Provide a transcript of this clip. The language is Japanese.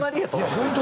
本当！